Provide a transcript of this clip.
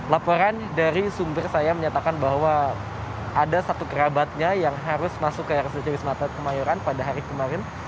laporan dari sumber saya menyatakan bahwa ada satu kerabatnya yang harus masuk ke rsud wisma atlet kemayoran pada hari kemarin